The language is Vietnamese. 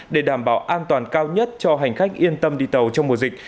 để đảm bảo an toàn cao nhất cho hành khách yên tâm đi tàu trong mùa dịch